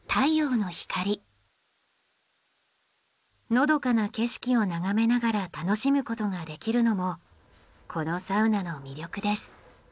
のどかな景色を眺めながら楽しむことができるのもこのサウナの魅力です。